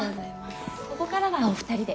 ここからはお二人で。